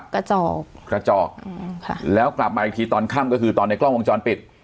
กระจอกกระจอกอืมค่ะแล้วกลับมาอีกทีตอนค่ำก็คือตอนในกล้องวงจรปิด